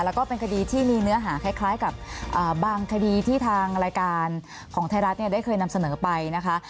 แล้วก็เป็นคดีที่มีเนื้อหาคล้ายกับบางคดีที่ทางรายการของไทยรัฐเนี่ยได้เคยนำเสนอไปนะคะ